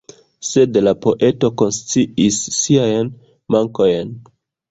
Sed la poeto konsciis siajn mankojn.